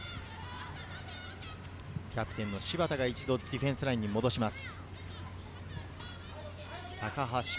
キャプテン・柴田が一度、ディフェンスラインに戻します。